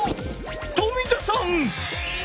冨田さん！